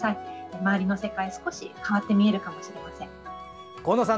周りの世界、少し変わって見えるかもしれません。